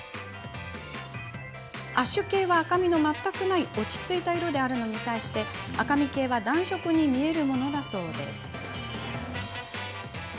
アッシュ系は、赤みの全くない落ち着いた色であるのに対して赤み系は暖色に見えるものなんだそうです。